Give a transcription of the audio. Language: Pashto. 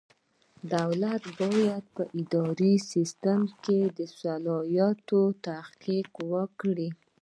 دولت باید په اداري سیسټم کې اصلاحات تحقق کړي.